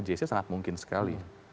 jc sangat mungkin sekali